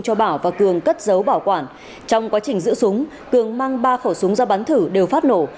cho bảo và cường cất giấu bảo quản trong quá trình giữ súng cường mang ba khẩu súng ra bắn thử đều phát nổ